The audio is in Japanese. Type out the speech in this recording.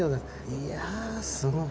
いやすごい。